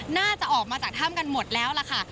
น่าจะออกมาจากถ้ำกันหมดแล้วล่ะค่ะ